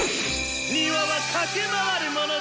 庭は駆け回るものだ！